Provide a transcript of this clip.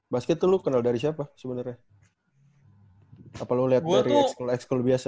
basket tuh lu kenal dari siapa sebenernya apa lu liat dari s school biasa